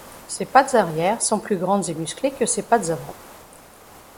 Ses pattes arrière sont plus grandes et musclées que ses pattes avant.